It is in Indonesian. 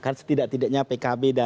kan setidak tidaknya pkb